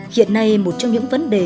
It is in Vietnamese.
hiện nay một trong những vấn đề